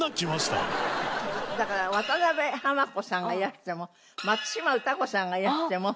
だから渡辺はま子さんがいらしても松島詩子さんがいらしても私。